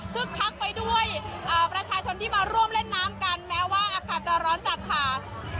คักไปด้วยประชาชนที่มาร่วมเล่นน้ำกันแม้ว่าอากาศจะร้อนจัดค่ะ